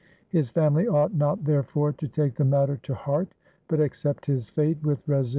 His family ought not therefore to take the matter to heart, but accept his fate with resignation.